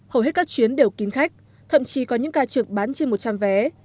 hầu hết các chuyến đều kín khách thậm chí có những ca trượt bán trên một trăm linh vé